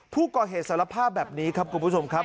ผู้ก่อเหตุสารภาพแบบนี้ครับคุณผู้ชมครับ